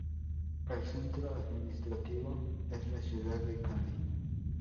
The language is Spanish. El centro administrativo es la ciudad de Kandy.